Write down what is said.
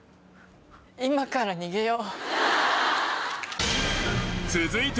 今から逃げよ。